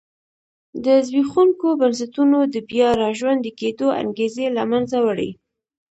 د زبېښونکو بنسټونو د بیا را ژوندي کېدو انګېزې له منځه وړي.